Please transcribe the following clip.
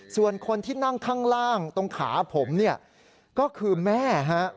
ส่วนคนที่นั่งข้างล่างตรงขาผมเนี่ยก็คือแม่ฮะ